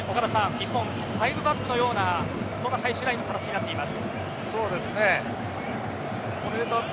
日本、４バックのような最終ラインの形になっています。